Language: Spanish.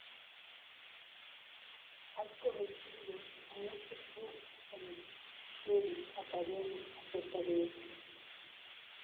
Hay corregidos muchos bugs en el Jedi Academy acerca de esto.